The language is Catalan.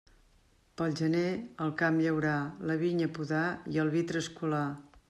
Pel gener, el camp llaurar, la vinya podar i el vi trascolar.